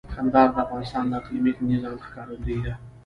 کندهار د افغانستان د اقلیمي نظام ښکارندوی ده.